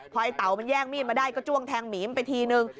พอไอ้เต่ามันแย่งมีดมาได้ก็จ้วงแทงหมีมันไปทีนึง